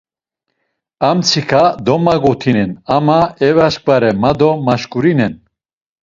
Amtsika domagutinen ama evaşǩvare ma do maşǩurinen.